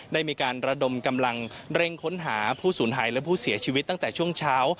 ได้มีการระดมกำลังเร่งค้นหาผู้สูญหายและผู้เสียชีวิตตั้งแต่ช่วงเช้า